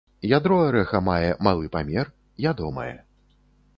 Ядро арэха мае малы памер, ядомае.